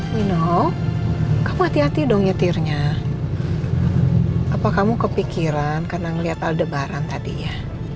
mino kamu hati hati dong nyetirnya apa kamu kepikiran karena ngeliat aldebaran tadi ya